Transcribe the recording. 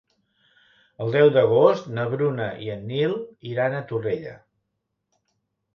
El deu d'agost na Bruna i en Nil iran a Torrella.